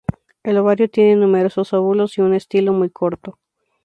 El ovario tiene numerosos óvulos y un estilo muy corto.